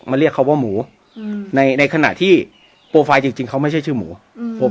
เรียกเขาว่าหมูอืมในในขณะที่โปรไฟล์จริงจริงเขาไม่ใช่ชื่อหมูอืม